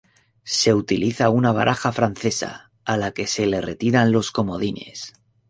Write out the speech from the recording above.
Se utiliza una baraja francesa a la que se le retiran los comodines.